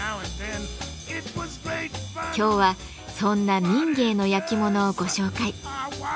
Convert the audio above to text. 今日はそんな民藝のやきものをご紹介。